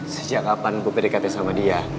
sejak kapan gua pdkt sama dia